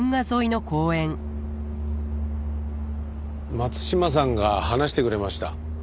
松島さんが話してくれました。